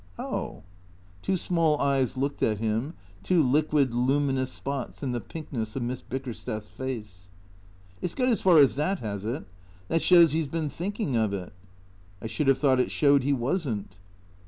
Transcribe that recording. " Oh." Two small eyes looked at him, two liquid, luminous spots in the pinkness of Miss Bickersteth's face. " It 's got as far as that, has it ? That shows he 's been think ing of it." " I should have thought it showed he was n't."